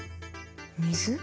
水？